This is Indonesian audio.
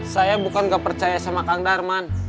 saya bukan gak percaya sama kang darman